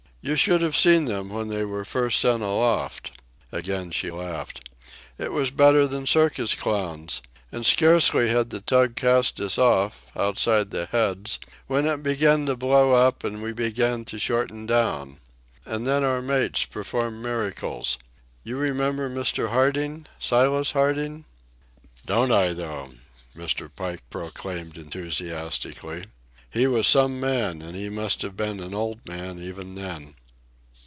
You should have seen them when they were first sent aloft." Again she laughed. "It was better than circus clowns. And scarcely had the tug cast us off, outside the Heads, when it began to blow up and we began to shorten down. And then our mates performed miracles. You remember Mr. Harding—Silas Harding?" "Don't I though!" Mr. Pike proclaimed enthusiastically. "He was some man, and he must have been an old man even then."